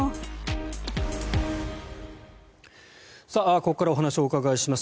ここからお話をお伺いします。